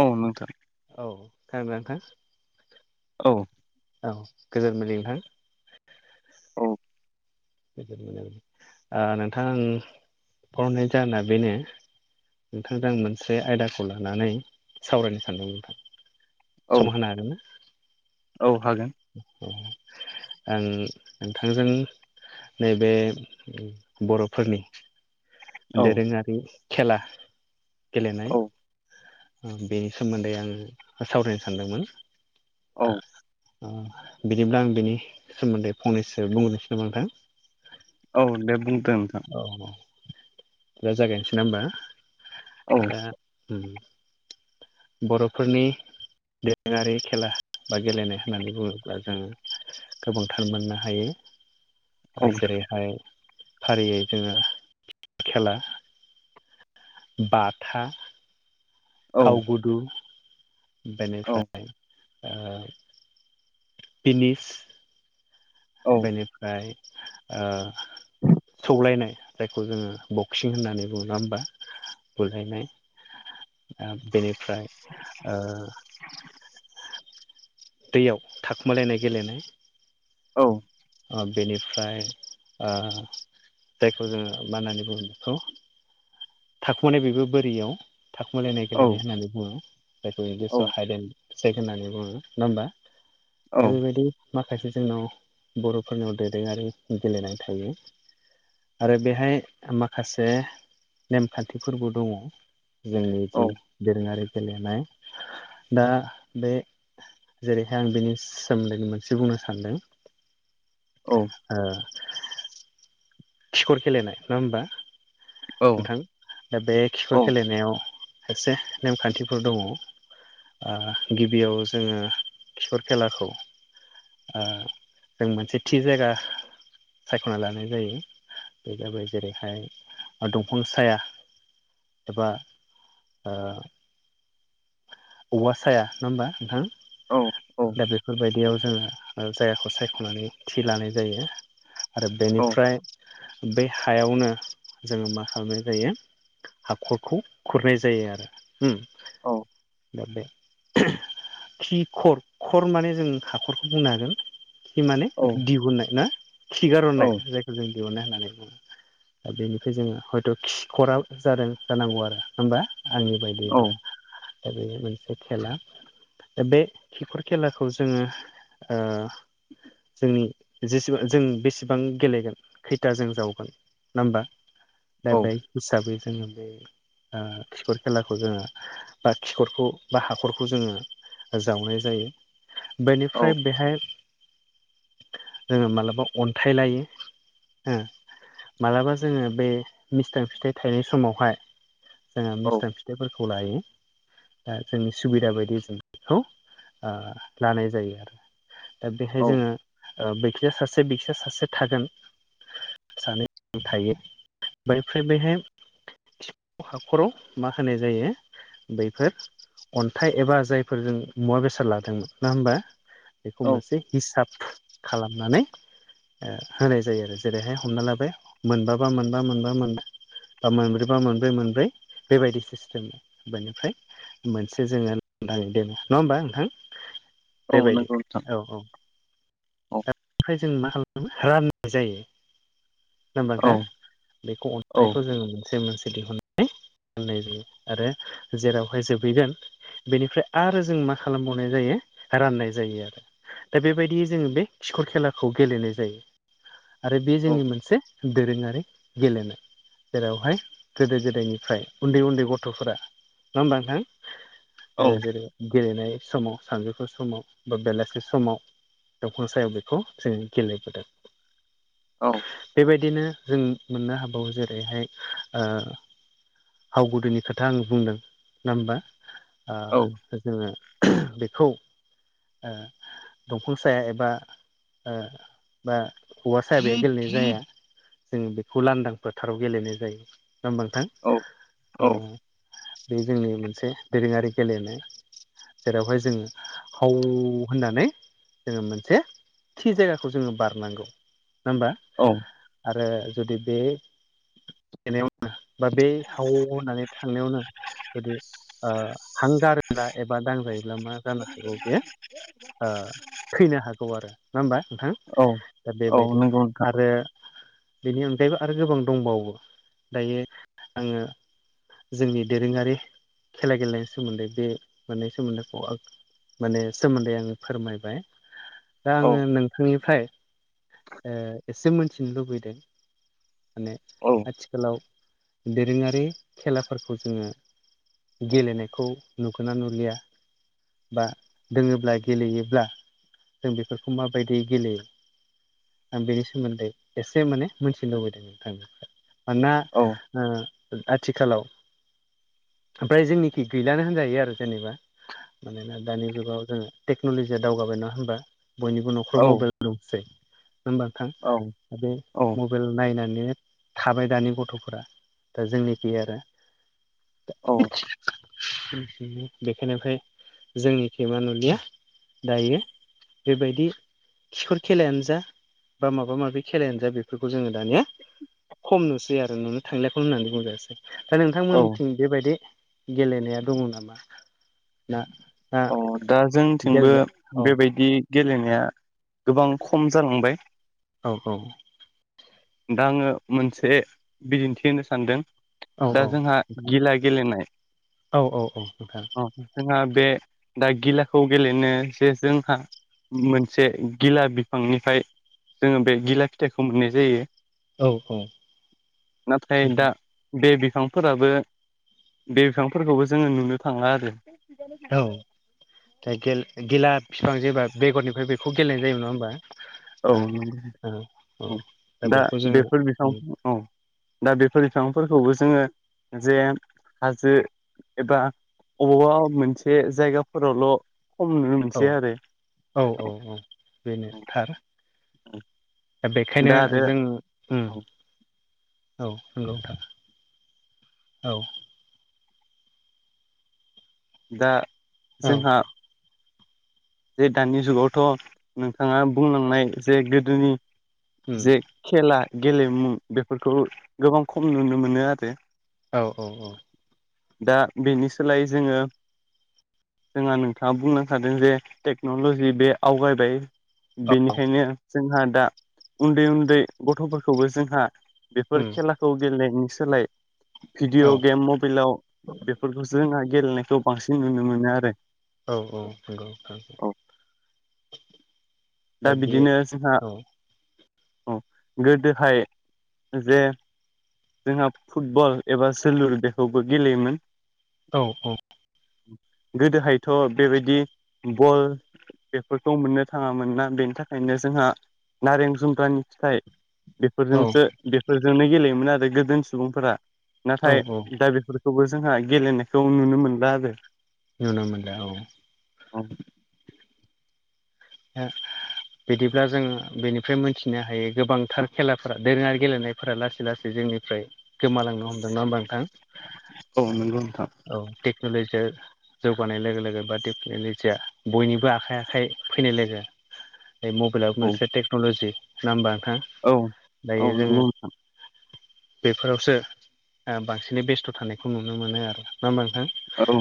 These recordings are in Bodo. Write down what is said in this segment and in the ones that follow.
औ नोंथां। औ थार नोंथां। औ। औ गोजोनबिलि नोंथां। औ। गोजोन मोनाबिलि ओ नोंथां आं फरायनायनि जाहोना बेनो [unintelligible] नोंथांजों आं मोनसे आयदाखौ लानानै सावरायनो सानदों नोंथां। औ सम होनो हागोनना? औ हागोन। आं नोंथांजों नैबे बर'फोरनि औ दोरोङारि खेला गेलेनाय औ ओ बेनि सोमोन्दै आङो सावरायनो सानदोंमोन। औ। ओ बिदिब्ला आं बिनि सोमोन्दै फंनैसो बुंग्रोनोसै नामा नोंथां? औ दे बुंदो नोंथां। औ दा जागायनोसै ना होमबा औ दा बर'फोरनि दोरोङारि खेला बा गेलेनाय होननानै बुङोब्ला जोङो गोबांथार मोननो औ हायो जेरैहाय फारियै जोङो खेला बाथा औ हाव गुदु औ बेनिफ्राय ओ बिनिस औ बेनिफ्राय ओ सौलायनाय जायखौ जोङो बक्सिं होननानै बुङो नंङा होमबा बुलायनाय बेनिफ्राय ओ दैयाव थाखोमालायनाय गेलेनाय औ बेनिफ्राय जायखौ जोङो मा होननानै बुङो बेखौ थाखुमोनाय बेबो बोरैयाव थाखुमालायनाय औ गेलेनाय होननानै बुङो जायखौ इंलिसाव औ हाइड ए सेक होननानै बुङो नङा होमबा औ दा बेबायदि माखासे जोंनाव बर'फोरनियाव दोरोङारि गेलेनाय थायो आरो बेहाय माखासे नेमखान्थिफोरबो दङ जोङो इदि दोरोङारि गेलेनाय दा बे जेरैहाय आं बेनि सोमोन्दैनो मोनसे बुंनो सान्दों ओ खिखर गेलेनाय नङा होमबा औ नोंथां दा बे खिखर औ औ गेलेनायाव खायसे नेमखान्थिफोर दङ आ गिबियाव जोङो खिखर खेलाखौ ओ जों मोनसे थि जायगा सायख'ना लानाय जायो बे जाबाय जेरैहाय दंफां साया एबा ओ औवा साया नङा होमबा नोंथां दा बेफोरबायदियाव जोङो ओ जायगाखौ सायख'नानै थि लानाय जायो आरो बेनिफ्राय बे हायावनो जोङो मा खालामनाय जायो हाखरखौ खुरनाय जायो आरो होम औ दा बे खि खर खर माने जों हाखरखौ बुंनो हागोन खि माने दिहुननाय ना खिगारहननाय जायखौ जों दिहुननाय होननानै बुङो दा बेनिफ्राय जोङो हयथ' खिखरा जादों जानांगौ आरो होमबा आंनि बायदिब्ला दा बेयो मोनसे खेला दा बे खिखर खेलाखौ जोङो ओ जोंनि जेसेबां जों बेसेबां गेलेगोन खैथा जों जावगोन नामबा दा बै हिसाबै जोङो बे खिखर खेलाखौ जोङो बा खिखरखौ बा हाखरखौ जोङो जावनाय जायो बेनिफ्राय बेहाय जोङो मालाबा अन्थाइ लायो हो मालाबा जोङो बे मिस्थां फिथाइ थायनाय समावहाय जोङो मिसथां फिथाइफोरखौ लायो दा जोंनि सुबिदा बायदियै जों बेखौ लानाय जायो आरो दा बेहाय जोङो ओ बैखिजा सासे बैखिजा सासे थागोन सानो थायो बैफ्राय बेहाय थिख' हाखराव मा होनाय जायो बैफोर अन्थाइ एबा जायफोर जों मुवा बेसाद लादोंमोन नङा होमबा औ बेखौ मोनसे हिसाफ खालामनानै होनाय जायो आरो जेरैहाय हमना लाबाय मोनबाबा मोनबा मोनबा मोनबा बा मोनब्रै बा मोनब्रै मोनब्रै बेबायदि सिस्टेमै बेनिफ्राय मोनसे जोङो नानै दो नङा होमबा नोंथां औ बेबायदि नंगौ नोंथां औ औ औ आमफ्राय जों मा खालामो राननाय जायो नङा होनबा नोंथां बेखौ औ अन्थाइखौ जोङो मोनसे मोनसे दिहुन नाय जायो आरो जेरावहाय जोबहैगोन बेनिफ्राय आरो जों मा खालामबावनाय जायो राननाय जायो आरो दा बेबायदियै जोङो बे खिखर खेलाखौ गेलेनाय जायो आरो बे जोंनि मोनसे दोरोङारि गेलेनाय जेरावहाय गोदो गोदायनिफ्राय उन्दै उन्दै गथ'फोरा नङा होनबा नोंथां? औ औ औ जेरै गेलेनाय समाव सानजौफु समाव बा बेलासि समाव असायाव बेखौ जों गेलेबोदों औ बेबायदिनो जों मोननो हाबावो जेरैहाय ओ हाव गुदिनि खोथा आं बुंदों नङा होमबा? ओ औ जोङो बेखौ दंफां साया एबा बा ओ बा हौवा सायाब गेलेनाय जाया जोङो बेखौ लांदां फोथाराव गेलेनाय जायो नङा होनबा औ औ नोंथां बे जोंनि मोनसे दोरोङारि गेलेनाय। जेरावहाय जोङो हाव होननानै जोङो मोन से थि जायगाखौ जोङो बारनांगौ नङा होमबा औ आरो जुदि बे [unintelligible] बा बे हाव होननानै थांनायावनो जुदि हांगारोब्ला एबा दांजायोब्ला मा जानो हागौ बेयो फैनो हागौ आरो नङा होमबा नोंथां दा औ बेबायदि नंगौ नोंथां आरो बेनि अनगायैबो आरो गोबां दंबावो दायो आङो जोंनि दोरोङारि खेला गेलेनायनि सोमोन्दै बे मोननाय सोमोन्दैखौ माने सोमोन्दै आङो फोरमायबाय दा औ आङो नोंथांनिफ्राय एसे मोनथिनो लुबैदों। माने औ आथिखालाव दोरोङारि खेलाफोरखौ जोङो गेलेनायखौ नुगोना नुलिया बा दोङोब्ला गेलेयोब्ला जों बेफोरखौ माबायदि गेलेयो? आं बेनि सोमोन्दै एसे माने मोनथिनो लुबैदों नोंथांनिफ्राय मानोना ओ आथिखालाव ओमफ्राय जोंनिखि गैलानो होनजायो आरो जेनेबा मानोना दानि जुगाव जोङो टेक्न'लजिया दावगाबाय नङा होनबा बयनिबो न'खराव मबाइल दंसै होबा नोंथां औ बे म औ मबाइल नायनानै थाबाय दानि गथ'फोरा दा जोंनिखै आरो औ बेखायनिफ्राय जोंनिखे मा नुलिया दायो बेबायदि खिखर खेलायानो जा बा माबा माबि खेलायानो जा बेफोरखौ जोङो दानिया खम नुसै आरो नुनो थांलियाखौनो होननानै बुंजासै दा औ नोंथांमोनथिं बेबायदि गेलेनाया दङ नामा ना औ दा जोंथिंबो गेलेनो औ बेबायदि गेलेनाया गोबां खम जालांबाय। औ औ दा आङो मोनसे बिदिन्थि होनो सानदों औ दा औ जोंहा नोंथां गिला गेलेनाय औ औ औ नोंथां जोंहा बे दा गिलाखौ गेलेनो जे जोंहा मोनसे गिला बिफांनिफ्राय जोङो बे गिला फिथाइखौ मोननाय जायो। औ औ नाथाय दा बे बिफांफोराबो बे बिफांफोरखौबो जोङो नुनो थाङा आरो औ खायसे गेला बिफां जेबा बेगरनिफ्राय बेखौ गेलेनाय जायो नङा होमबा? औ औ दा बेखौ जोङो बेफोर बिफां औ दा बेफोर बिफांफोरखौबो जोङो जे हाजो एबा अबावबा मोनसे जायगाफोरावल' खम नुनो औ मोनसै आरो। औ औ औ बेनो थार औ दा बेखायनो जों ओम। औ नोंगौ नोंथां औ। दा औ जोंहा जे दानि जुगावथ' नोंथाङा बुंलांनाय जे गोदोनि जे खेला गेलेमु बेफोरखौ गोबां खम नुनो मोनो आरो। औ औ औ। दा बिनि सोलायै जोङो जोंहा नोंथाङा बुंलांखादों जे टेक्न'लजि बे आवगायबाय। बेनिखायनो जोंहा दा उन्दै उन्दै गथ'फोरखौबो जोंहा औ बेफोर खेला खौ गेलेनायनि सोलाय औ भिडिअ' गेम मबेइलाव बेफोरखौसो जोंहा गेलेनायखौ बांसिन नुनो मोनो आरो। औ औ नंगौ नोंथां। औ दा बिदिनो जोंहा औ औ गोदोहाय जे जोंहा फुटबल एबा जोलुर बेखौबो गेलेयोमोन। औ औ। गोदोहायथ' बेबायदि बल बेफोरखौ मोननो थाङामोन ना। बेनि थाखायनो जोंहा नारें जुमब्रानि फिथाइ औ बेफोरजोंसो बे फोरजोंनो गेलेयोमोन आरो गोदो सुबुंफोरा। औ नाथाय औ दा बेफोर खौबो जोंहा गेलेनायखौ नुनो मोनला आरो। नुनो मोनला औ। औ ओ बिदिब्ला जों बेनिफ्राय मोनथिनो हायो गोबांथार खेलाफोरा दोरोङारि गेलेनाय फोरा लासै लासै जोंनिफ्राय गोमालांनो हमदों। नंङा होमबा नोंथां? औ नोंगौ नोंथां। औ टेक्न'ल'जिया जौगानाय लोगो लोगो बा टेक्न'लजिया बयनिबो आखाइ आखाइ फैनाय लोगो बे मबेइलाबो औ मोनसे टेक्न'लजि नङा होनबा नोंथां? औ औ दायो जोङो नंगौ नोंथां बेफोरावसो बांसिनै बेस्थ' थानायखौ नुनो मोनो आरोना नङा होमबा नोंथां? औ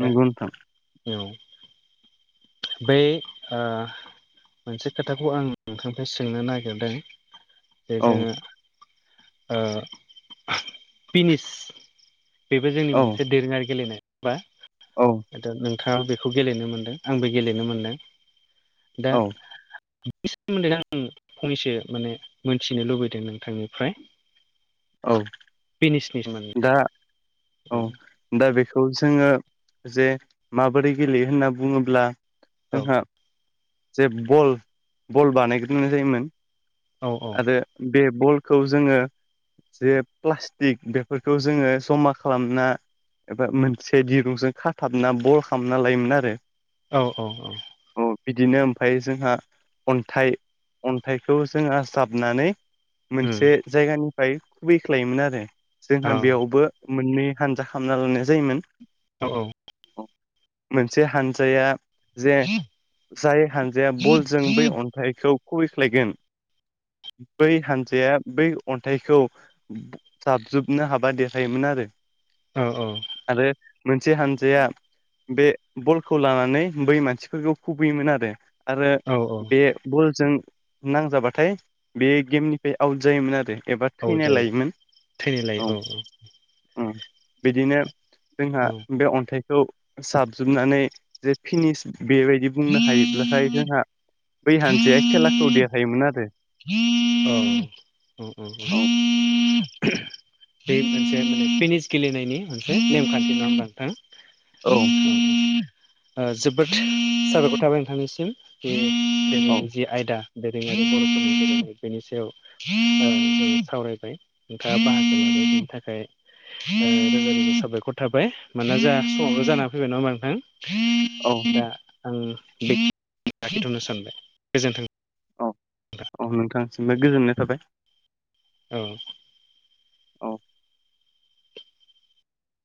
दा नंगौ नोंथां। औ बै ओ मोनसे खोथाखौ आं नोंथांनिफ्राय सोंनो नागिरदों जे औ जोङो ओ पिनिस बेबो जोंनि औ मोनसे दोरोङारि गेलेनाय बा औ। दा नोंथाङा बेखौ गेलेनो मोनदों आंबो गेलेनो मोनदों। दा औ बेनि सोमोन्दै आं फंनैसो माने मोनथिनो लुबैदों नोंथांनिफ्राय। औ। पिनिसनि सोमोन्दै। दा औ। दा बेखौ जोङो जे माबोरै गेलेयो होनना बुङोब्ला औ जोंहा जे बल बल बानायग्रोननाय जायोमोन। औ आरो बे बलखौ जोङो जे प्लास्टिक बे फोरखौ जोङो जमा खालामना एबा मोनसे दिरुंजों खाथाबना बल खालामना लायोमोन आरो। औ औ औ। औ बिदिनो ओमफाय जोंहा अन्थाइ अन्थाइखौ जोङो जाबनानै उम मोनसे जायगानिफ्राय खुबैख्लायोमोन आरो। औ जोंहा बेयावबो मोननै हानजा खामना लानायनाय जायोमोन। औ औ। मोनसे हानजाया जे जाय हानजाया बलजों बै अन्थाइखौ खुहैख्लायगोन बै हान्जाया बै अन्थाइखौ जाबजोब नो हाबा देरहायोमोन आरो औ अ आरो मोनसे हानजाया बे बलखौ लानानै बै मानसिफोरखौ खुबैयोमोन आरो आरो औ बे बलजों नांजाबाथाय बे गेमनिफ्राय आउट जायोमोन आरो एबा थैनाय जायो लायोमोन। थैनायलाय औ औ उ बिदिनो जोंहा औ बे अन्थाइखौ साबजोबनानै जे फिनिस बेबायदि बुंनो हायोब्ला फ्राय जोंहा बै हान्जाया खेलाखौ देरहायोमोन आरो अ औ [unintelligible] बे मोनसे [unintelligible] फेनिस गेलेनायनि मोनसे नेमखान्थि नङा होनबा औ नोंथां ओ जोबोद साबायखर थाबाय नोंथांनिसिम औ [unintelligible] [unintelligible] जि आयदा [unintelligible] बेनि सायाव [unintelligible] सावरायबाय नोंथाङा बाहागो थाखाय ओ रोजा रोजा साबायखर थाबाय मानोना जोंहा समानो जाना फैबाय नङा होमबाथ औ नोंथां दा आं बे लाखिथ'नो सानबाय गोजोनथों अ औ नोंथांसिमबो गोजोननाय थाबाय औ अ